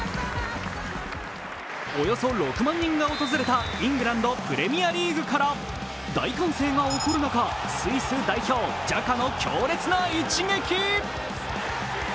およそ６万人が訪れたイングランド・プレミアリーグから大歓声が起こる中、スイス代表・ジャカの強烈な一撃。